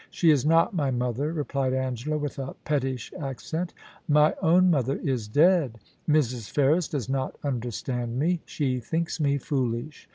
' She is not my mother,' replied Angela with a pettish accent * My own mother is dead. Mrs. Ferris does not understand me. She thinks me foolish.